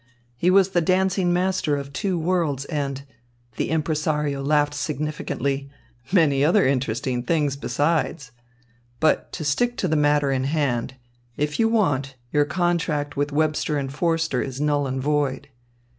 He was the dancing master of two worlds and" the impresario laughed significantly "many other interesting things besides. But to stick to the matter in hand if you want, your contract with Webster and Forster is null and void."